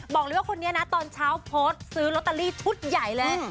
บอกเลยว่าคนนี้นะตอนเช้าโพสต์ซื้อลอตเตอรี่ชุดใหญ่เลย